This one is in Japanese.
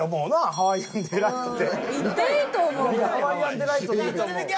ハワイアンデライトで。